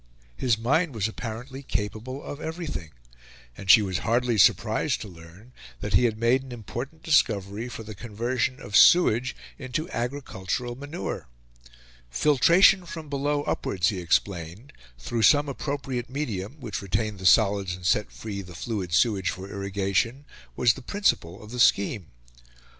His mind was apparently capable of everything, and she was hardly surprised to learn that he had made an important discovery for the conversion of sewage into agricultural manure. Filtration from below upwards, he explained, through some appropriate medium, which retained the solids and set free the fluid sewage for irrigation, was the principle of the scheme.